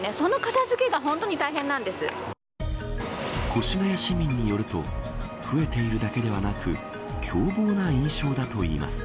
越谷市民によると増えているだけではなく凶暴な印象だといいます。